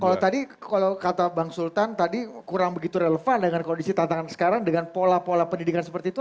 kalau tadi kalau kata bang sultan tadi kurang begitu relevan dengan kondisi tantangan sekarang dengan pola pola pendidikan seperti itu